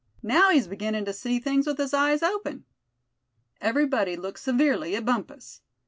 Now he's beginnin' to see things with his eyes open." Everybody looked severely at Bumpus.